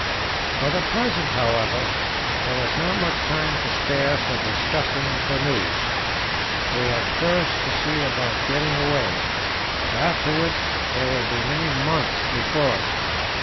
For the present, however, there was not much time to spare for discussing the news. We had first to see about getting away; afterwards there would be many months before us.